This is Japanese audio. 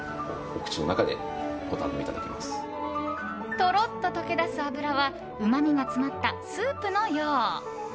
とろっと溶け出す脂はうまみが詰まったスープのよう。